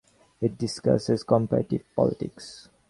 It discusses comparative politics.